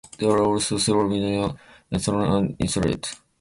There are also several minor islands and islets.